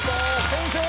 先生！